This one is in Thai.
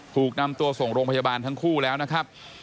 ถูกนำตัวส่งโรงพยาบาลทั้งคู่แล้วนะครับ